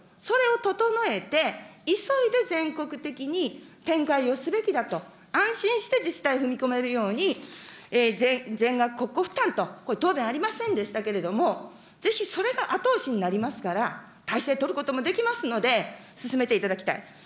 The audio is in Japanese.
それを整えて、急いで全国的に展開をすべきだと、安心して自治体が踏み込めるように、全額国庫負担と、これ、答弁ありませんでしたけれども、ぜひ、それが後押しになりますから、大勢取ることもできますので、進めていただきたい。